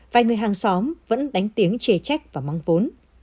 vài người hàng xóm vẫn đánh tiếng chê trách và mong muốn